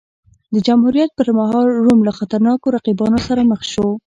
د جمهوریت پرمهال روم له خطرناکو رقیبانو سره مخ شو.